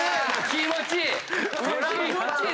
気持ちいいぞ！